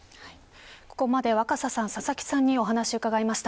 ここまで若狭さん佐々木さんにお話を伺いました。